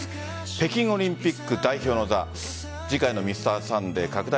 北京オリンピック代表の座次回の「Ｍｒ．サンデー」拡大